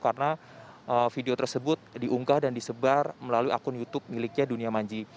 karena video tersebut diunggah dan disebar melalui akun youtube miliknya dunia manji